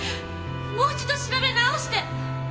もう一度調べ直して！